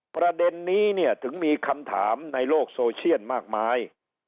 ประเด็นนี้เนี่ยถึงมีคำถามในโลกโซเชียลมากมาย